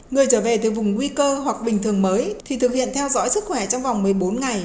người trở về từ vùng nguy cơ hoặc bình thường mới thì thực hiện theo dõi sức khỏe trong vòng một mươi bốn ngày